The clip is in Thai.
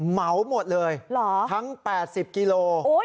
เหมาหมดเลยทั้ง๘๐กิโล